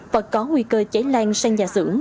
và có nguy cơ cháy lan sang nhà xưởng